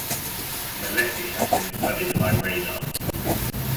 Melete has been studied by radar.